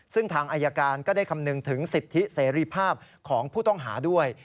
ซึ่งทางอายการก็ได้คำนึงถึงสิทธิเสรีภาพของผู้ต้องหาด้วย